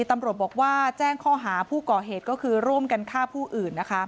ตำรวจบอกว่าแจ้งข้อหาผู้ก่อเหตุก็คือร่วมกันฆ่าผู้อื่นนะคะ